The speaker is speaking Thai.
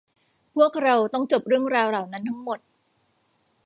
พวกเราต้องจบเรื่องราวเหล่านั้นทั้งหมด